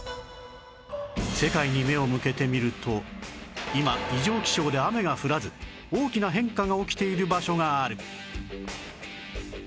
世界に目を向けてみると今異常気象で雨が降らず大きな変化が起きている場所がある